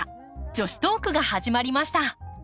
女子トークが始まりました。